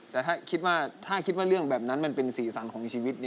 แต่ถ้าคิดว่าถ้าคิดว่าเรื่องแบบนั้นมันเป็นสีสันของชีวิต